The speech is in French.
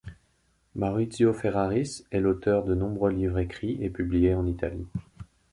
Maurizio Ferraris est l'auteur de nombreux livres écrits et publiés en Italie.